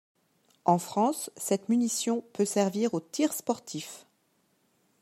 En France, cette munition peut servir au tir sportif.